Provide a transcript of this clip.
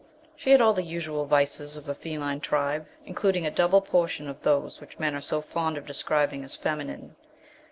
She had all the usual vices of the feline tribe, including a double portion of those which men are so fond of describing as feminine.